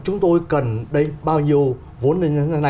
chúng tôi cần bao nhiêu vốn